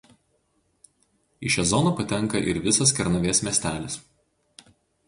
Į šią zoną patenka ir visas Kernavės miestelis.